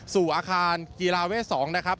สู่อาคารกีฬาเวท๒นะครับ